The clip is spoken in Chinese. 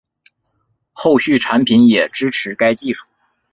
后续产品也支持该技术